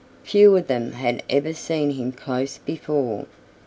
Few of them had ever seen him close to before.